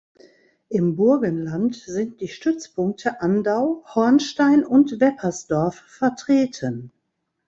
Im Burgenland sind die Stützpunkte Andau, Hornstein und Weppersdorf vertreten.